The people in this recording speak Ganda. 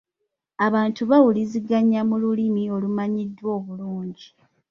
Abantu bawuliziganya mu lulimi olumanyiddwa obulungi.